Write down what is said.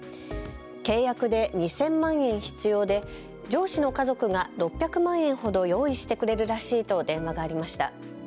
契約で２０００万円必要で上司の家族が６００万円ほど用意してくれるらしいと電話がありました。